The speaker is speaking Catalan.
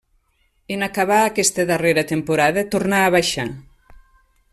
En acabar aquesta darrera temporada tornà a baixar.